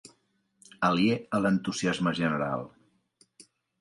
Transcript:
Aliè a l'entusiasme general.